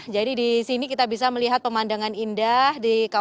jadi di sini kita bisa melihat pemandangan indah